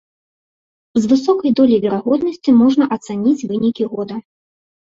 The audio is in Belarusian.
З высокай доляй верагоднасці можна ацаніць вынікі года.